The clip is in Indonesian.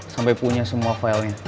sampai punya semua filenya